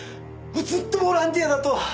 ずっとボランティアだと！